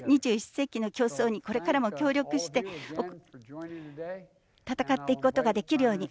２１世紀の競争にこれからも協力して闘っていくことができるように。